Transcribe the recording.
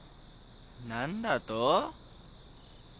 何だと？